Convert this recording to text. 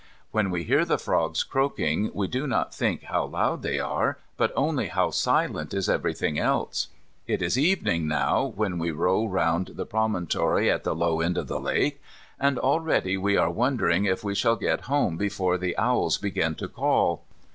When we hear the frogs croaking we do not think how loud they are, but only how silent is everything else. It is evening now, when we row round the promontory at the low end of the lake, and already we are wondering if we shall get home before the owls begin to call.